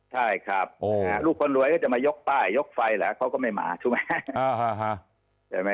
ใช่ครับลูกคนรวยก็จะมายกป้ายยกไฟเหรอเขาก็ไม่มาถูกไหม